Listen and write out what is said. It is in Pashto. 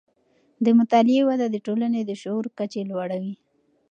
د مطالعې وده د ټولنې د شعور کچې لوړوي.